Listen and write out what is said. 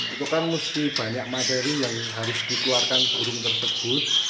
itu kan mesti banyak materi yang harus dikeluarkan burung tersebut